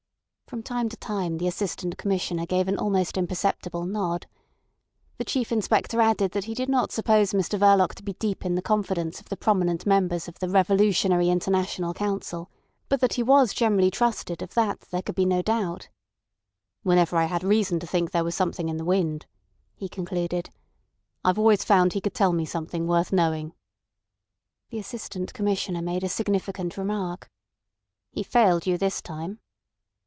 From time to time the Assistant Commissioner gave an almost imperceptible nod. The Chief Inspector added that he did not suppose Mr Verloc to be deep in the confidence of the prominent members of the Revolutionary International Council, but that he was generally trusted of that there could be no doubt. "Whenever I've had reason to think there was something in the wind," he concluded, "I've always found he could tell me something worth knowing." The Assistant Commissioner made a significant remark. "He failed you this time."